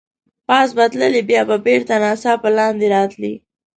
پاس به تللې، بیا به بېرته ناڅاپه لاندې راتلې.